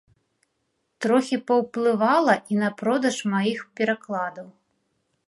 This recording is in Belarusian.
Трохі паўплывала і на продаж маіх перакладаў.